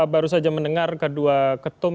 baru saja mendengar kedua ketum